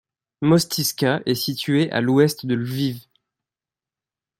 Mostyska est située à à l'ouest de Lviv.